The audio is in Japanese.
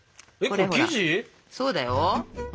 そうだよ。